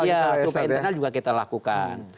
iya survei internal juga kita lakukan